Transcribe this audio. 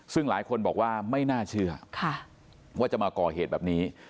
ซึ่งหลายคนบอกว่าไม่น่าเชื่อว่าจะมาก่อเหตุแบบนี้